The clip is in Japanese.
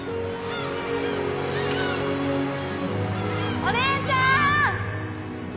お姉ちゃん！